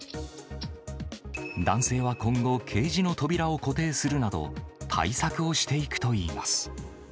男性は今後、ケージの扉を固定するなど、対策をしていくといいます。